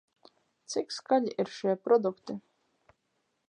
Cik skaļi ir šie produkti?